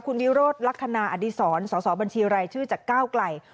คุณวิวโรธลักษณาอดีศรสบัญชีอะไรชื่อจากก้าวกล่าย